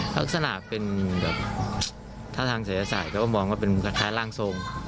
พักสนับเป็นแบบท่าทางเสียสายก็มองว่าเป็นกระท้าล่างทรง